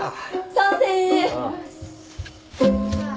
賛成！